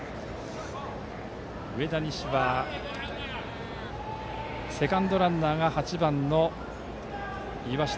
上田西は、セカンドランナーが８番の岩下。